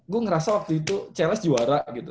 gue ngerasa waktu itu charles juara gitu